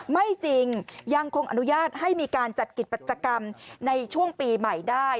ไม่จริงยังคงอนุญาตให้มีการจัดกิจกรรมในช่วงปีใหม่ได้